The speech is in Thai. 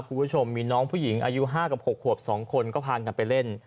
คุณผู้ชมมีน้องผู้หญิงอายุ๕กับ๖ขวบ๒คนก็พากันไปเล่น